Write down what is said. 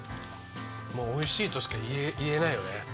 もうおいしいとしか言えないよね。